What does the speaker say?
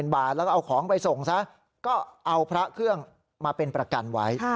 บาทแล้วก็เอาของไปส่งซะก็เอาพระเครื่องมาเป็นประกันไว้